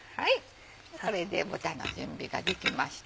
これで豚の準備ができました。